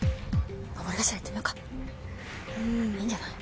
いいんじゃない？